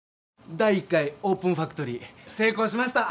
第１回オープンファクトリー成功しました！